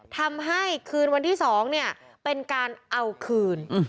ทำให้คืนวันที่๒เนี่ยเป็นการเอาคืน